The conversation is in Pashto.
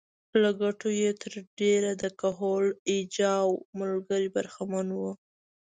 له ګټو یې تر ډېره د کهول اجاو ملګري برخمن وو